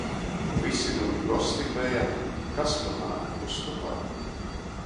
Vysi muni gosti beja, kas munā ustobā